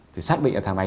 thì xác định là thằng này